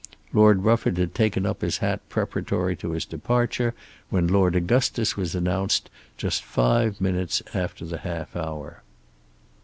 Lord Rufford had taken up his hat preparatory to his departure when Lord Augustus was announced just five minutes after the half hour.